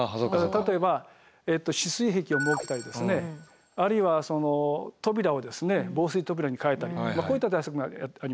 例えば止水壁を設けたりあるいは扉を防水扉に変えたりこういった対策があります。